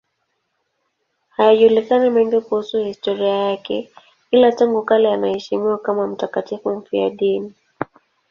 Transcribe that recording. Hayajulikani mengine kuhusu historia yake, ila tangu kale anaheshimiwa kama mtakatifu mfiadini.